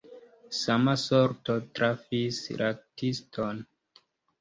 Sama sorto trafis laktiston.